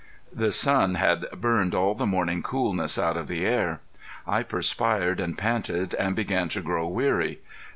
The sun had burned all the morning coolness out of the air. I perspired and panted and began to grow weary.